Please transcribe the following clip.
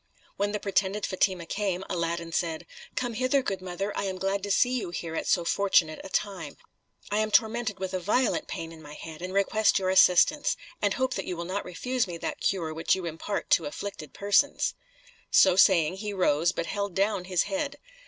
When the pretended Fatima came, Aladdin said, "Come hither, good mother; I am glad to see you here at so fortunate a time. I am tormented with a violent pain in my head, and request your assistance, and hope you will not refuse me that cure which you impart to afflicted persons." So saying, he rose, but held down his head.